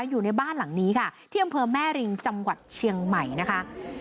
อยู่ในบ้านหลังนี้ค่ะที่อำเภอแม่ริงจังหวัดเชียงใหม่นะคะ